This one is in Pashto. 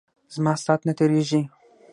زما سات نه تیریژی.